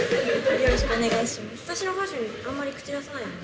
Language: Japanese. よろしくお願いします。